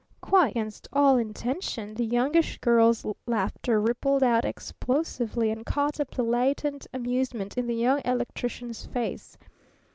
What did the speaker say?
Quite against all intention, the Youngish Girl's laughter rippled out explosively and caught up the latent amusement in the Young Electrician's face.